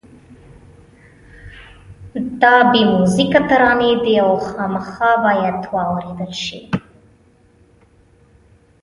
دا بې میوزیکه ترانې دي او خامخا باید واورېدل شي.